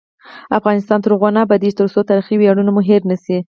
افغانستان تر هغو نه ابادیږي، ترڅو تاریخي ویاړونه مو هیر نشي.